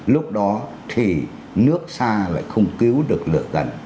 lúc đó thì nước xa lại không cứu được lửa gần